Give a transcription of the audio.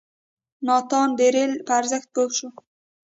ناتان د رېل په ارزښت پوه شو.